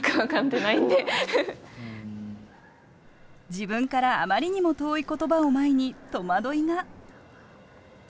自分からあまりにも遠い言葉を前に戸惑いが。